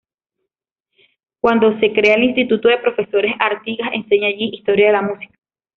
Cuando se crea el Instituto de Profesores Artigas enseña allí Historia de la Música.